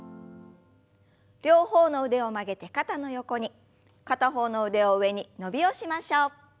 両方の腕を曲げて肩の横に片方の腕を上に伸びをしましょう。